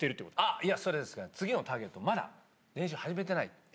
いや、それですが、次のターゲット、まだ練習始めてない。